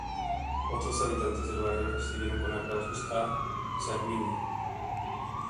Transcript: Otros habitantes del barrio recibieron con aplausos a Salvini.